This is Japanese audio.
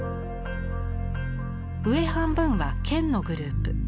上半分は「乾」のグループ。